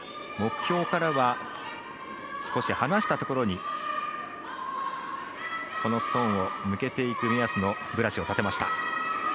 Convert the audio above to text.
目標からは少し離したところにこのストーンを向けていく目安のブラシを立てました。